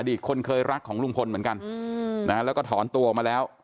ตคนเคยรักของลุงพลเหมือนกันแล้วก็ถอนตัวออกมาแล้ว